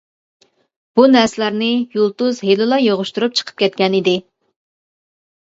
بۇ نەرسىلەرنى يۇلتۇز ھېلىلا يىغىشتۇرۇپ چىقىپ كەتكەن ئىدى.